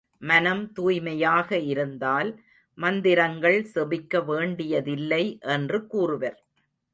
மனம் தூய்மையாக இருந்தால் மந்திரங்கள் செபிக்க வேண்டியதில்லை என்று கூறுவர்.